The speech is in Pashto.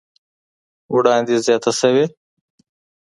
وړاندې زياته شوې